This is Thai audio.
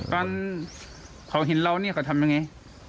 ตอนเขาเห็นเรานี่เขาทำอย่างไร